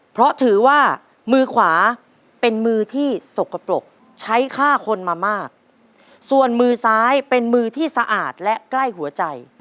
เพราะถือว่ามือขวาเป็นมือที่สกปรกใช้ฆ่าคนมามากส่วนมือซ้ายเป็นมือที่สะอาดและใกล้หัวใจ